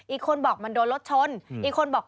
อีกคนบอกมันโดนรถชน